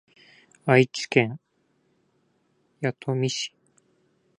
愛知県弥富市